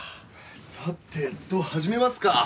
さてと始めますか。